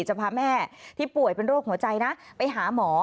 จะพาแม่ที่ป่วยเป็นโรคหัวใจนะไปหาหมอ